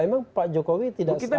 emang pak jokowi tidak selalu